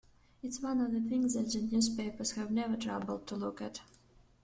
It's one of the things that the newspapers have never troubled to look at.